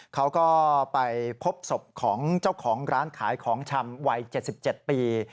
เขาก็ไปพบศพของเจ้าของร้านขายของชำวัย๗๗ปี